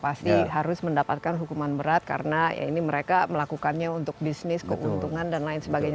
pasti harus mendapatkan hukuman berat karena ya ini mereka melakukannya untuk bisnis keuntungan dan lain sebagainya